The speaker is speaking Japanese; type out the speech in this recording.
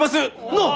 のう？